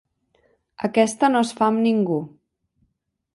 Aquesta no es fa amb ningú.